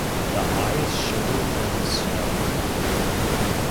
The eye is shorter than the snout.